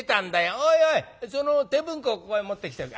おいおいその手文庫をここへ持ってきておくれ。